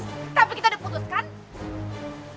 tapi kita udah putuskan